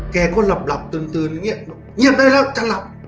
แกก็หลับหลับตื่นตื่นเงียบนี่ได้แล้วจะหลับ